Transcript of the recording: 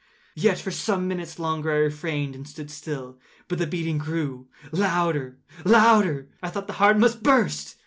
Yet, for some minutes longer I refrained and stood still. But the beating grew louder, louder! I thought the heart must burst.